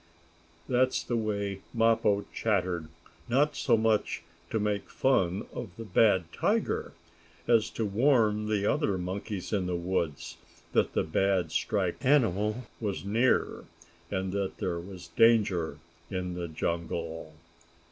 That's the way Mappo chattered, not so much to make fun of the bad tiger, as to warn the other monkeys in the woods that the bad striped animal was near, and that there was danger in the jungle.